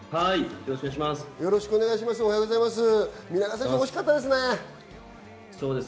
よろしくお願いします。